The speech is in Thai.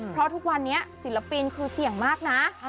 เพราะทุกวันนี้ศิลปินคือเสี่ยงมากนะ